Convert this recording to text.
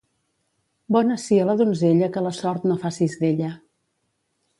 Bona sia la donzella que la sort no facis d'ella.